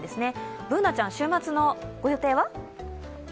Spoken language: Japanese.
Ｂｏｏｎａちゃん、週末のご予定は？